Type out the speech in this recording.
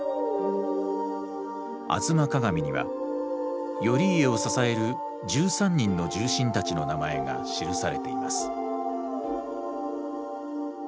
「吾妻鏡」には頼家を支える１３人の重臣たちの名前が記されています。